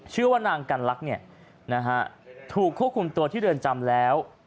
ชื่อว่านางกันลักษณ์ถูกควบคุมตัวที่เรือนจำแล้ว